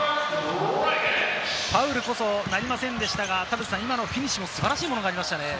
ファウルこそなりませんでしたが、今のフィニッシュも素晴らしいものがありましたね。